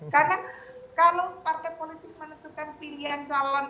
karena kalau partai politik menentukan pilihan